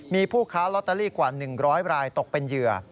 มีผู้ค้าลอตเตอรี่กว่า๑๐๐รายตกเป็นเหยื่อ